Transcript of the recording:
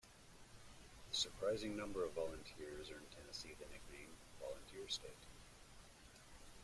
The surprising number of volunteers earned Tennessee the nickname, Volunteer State.